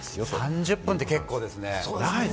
３０分って結構ですよね。